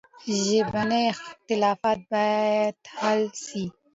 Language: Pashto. ژبني اختلافات باید حل سي.